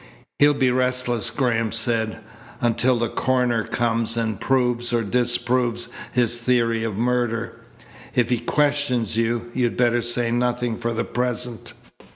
"He'll be restless," Graham said, "until the coroner comes, and proves or disproves his theory of murder. If he questions you, you'd better say nothing for the present.